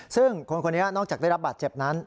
ซึ่งคนคนนี้นอกจากได้รับบาดเจ็บนั้น